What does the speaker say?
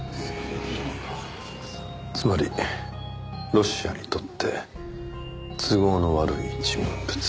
つまりロシアにとって都合の悪い人物。